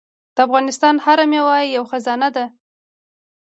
د افغانستان هره میوه یوه خزانه ده.